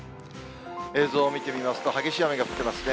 映像を見てみますと、激しい雨が降ってますね。